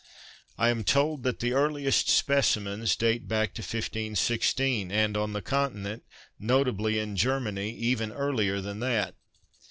I am told that the earliest specimens date back to 15 16, and on the Continent, notably in Germany, even earlier than that.